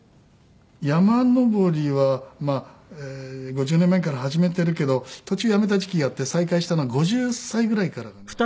山登りはまあ５０年前から始めてるけど途中やめた時期があって再開したのは５０歳ぐらいからだね。